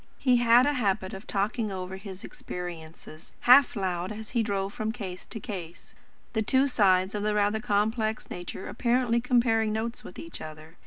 He had a habit of talking over his experiences, half aloud, as he drove from case to case; the two sides of his rather complex nature apparently comparing notes with each other.